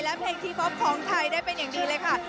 และเพลงที่ฮอปของไทยได้เป็นอย่างดีเลยค่ะ